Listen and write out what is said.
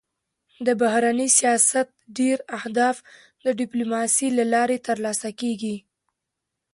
د بهرني سیاست ډېری اهداف د ډيپلوماسی له لارې تر لاسه کېږي.